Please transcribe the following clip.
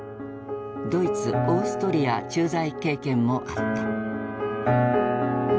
ドイツ・オーストリア駐在経験もあった。